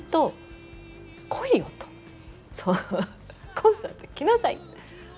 コンサート来なさい！